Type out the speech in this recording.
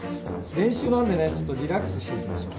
練習なんでねちょっとリラックスしていきましょう。